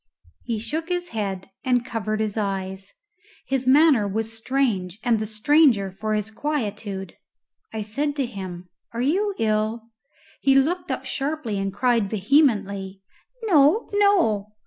He shook his head and covered his eyes. His manner was strange, and the stranger for his quietude. I said to him, "Are you ill?" He looked up sharply and cried vehemently, "No, no!"